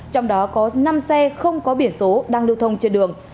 trong đó có năm xe không có biển số đang lưu thông trên đường